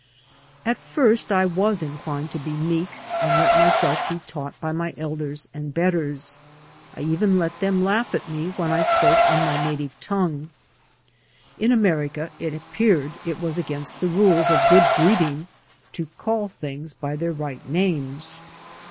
At first I was inclined to be meek and let myself be taught by my elders and betters. I even let them laugh at me when I spoke in my native tongue. In America, it appeared, it was against the rules of good breeding to call things by their right names.